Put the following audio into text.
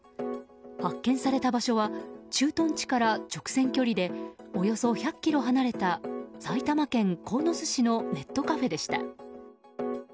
発見された場所は駐屯地から直線距離でおよそ１００ｋｍ離れた埼玉県鴻巣市のネットカフェでした。